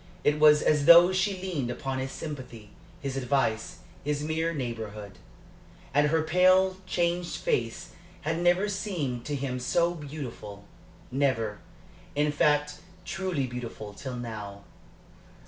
It was as though she leaned upon his sympathy, his advice, his mere neighborhood. And her pale, changed face had never seemed to him so beautiful never, in fact, truly beautiful till now.